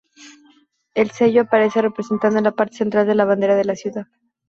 El sello aparece representado en la parte central de la bandera de la ciudad.